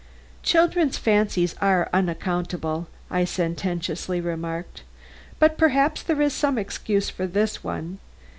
"Children's fancies are unaccountable," I sententiously remarked; "but perhaps there is some excuse for this one.